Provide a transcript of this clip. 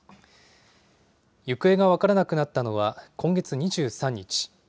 行方が分からなくなったのは、今月２３日。